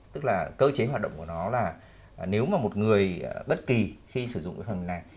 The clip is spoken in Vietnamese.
tức là cơ chế hoạt động của nó là nếu mà một người bất kỳ khi sử dụng cái phần này